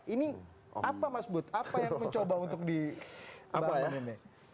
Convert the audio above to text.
ini apa mas bud apa yang mencoba untuk dibangun ini